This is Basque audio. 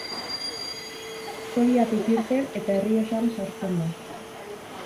Soriatik irten eta Errioxan sartzen da.